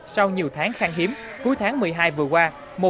sau nhiều tháng khang hiếm cuối tháng một mươi hai vừa qua